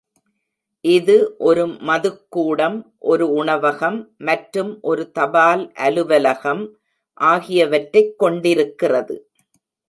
இது ஒரு மதுக்கூடம், ஒரு உணவகம், மற்றும் ஒரு தபால் அலுவலகம் ஆகியவற்றைக் கொண்டிருக்கிறது.